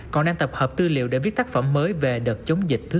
còn đang tập hợp tư liệu để viết tác phẩm mới về đợt chống dịch thứ hai